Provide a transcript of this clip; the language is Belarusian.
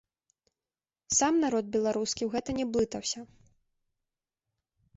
Сам народ беларускі ў гэта не блытаўся.